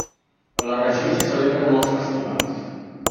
A la regió s'hi celebren molts festivals.